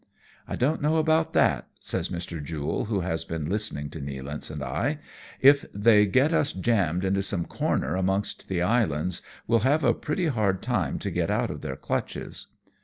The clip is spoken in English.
" I don't know about that," says Mr. Jule, who has been listening to Nealance and I; "if they get us jammed into some corner amongst the islands, we'll have a pretty hard time to get out of their clutches."